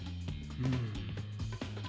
うん。